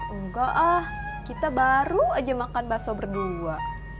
enggak ah kita baru aja makan bakso berdua